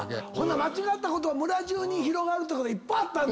間違ったことが広がるってこといっぱいあったんだ。